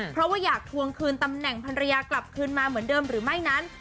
เพราะว่าอยากทวงคืนตำแหน่งพันรยากลับคืนมาเหมือนเดิมหรือไม่นั้น